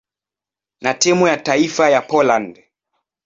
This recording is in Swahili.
na timu ya taifa ya Poland.